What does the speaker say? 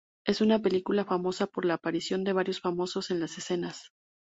Es una película famosa por la aparición de varios famosos en las escenas.